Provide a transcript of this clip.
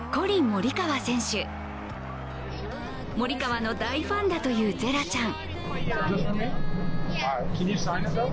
モリカワの大ファンだというゼラちゃん。